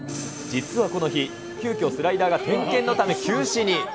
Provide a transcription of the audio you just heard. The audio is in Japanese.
実はこの日、急きょ、スライダーが点検のため休止に。